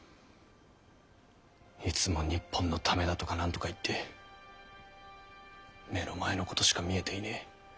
いつも日本のためだとか何とか言って目の前のことしか見えていねぇ。